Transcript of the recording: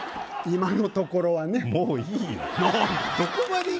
今のところはねもういいよ何で？